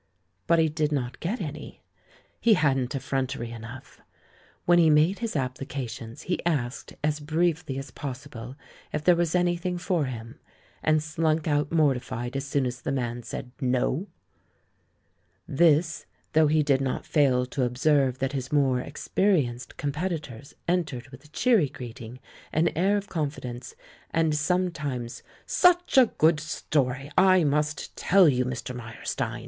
But he did not get any. He hadn't effrontery enough. When he made his applications he asked as briefly as possible if there was anything for him, and slunk out mortified as soon as the man said "no." This though he did not fail to observe that his more experienced competitors entered with a cheery greeting, an air of confidence, and sometimes "Such a good story! I must tell you, Mr. Meyerstein